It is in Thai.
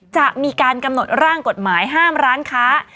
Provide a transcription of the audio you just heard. จะมีการกำหนดร่างกฎหมายห้ามร้านค้า